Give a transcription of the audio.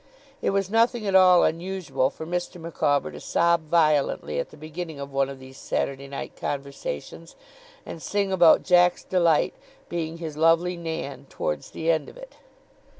It was nothing at all unusual for Mr. Micawber to sob violently at the beginning of one of these Saturday night conversations, and sing about Jack's delight being his lovely Nan, towards the end of it.